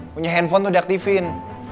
punya handphone tuh diaktifin